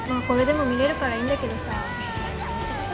これでも見れるからいいんだけどさ